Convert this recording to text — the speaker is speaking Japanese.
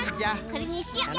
これにしよう！